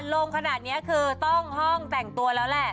ลงขนาดนี้คือต้องห้องแต่งตัวแล้วแหละ